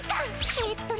えっとね